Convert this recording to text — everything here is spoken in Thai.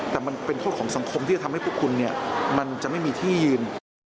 แต่มันเป็นโทษของสังคมที่จะทำให้พวกคุณเนี่ยมันจะไม่มีที่ยืน